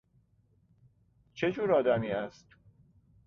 چه جور آدمی است؟